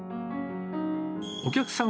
お客さん